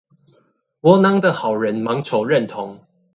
窩囊的好人忙求認同